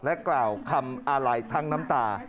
กล่าวคำอาลัยทั้งน้ำตา